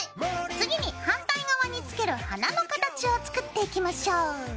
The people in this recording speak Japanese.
次に反対側に付ける花の形を作っていきましょう。